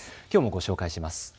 きょうもご紹介します。